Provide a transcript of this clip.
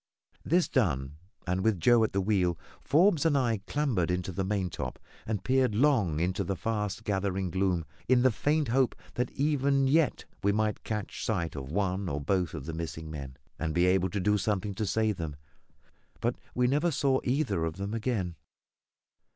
This done, and with Joe at the wheel, Forbes and I clambered into the maintop and peered long into the fast gathering gloom, in the faint hope that even yet we might catch sight of one or both of the missing men, and be able to do something to save them; but we never saw either of them again.